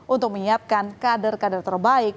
untuk menyiapkan kader kader terbaik